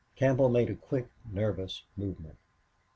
Campbell made a quick, nervous movement.